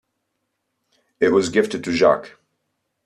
It was gifted to Jac.